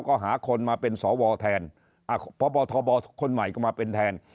ก็หาคนมาเป็นสวแทนพบทบคนใหม่ก็มาเป็นแทน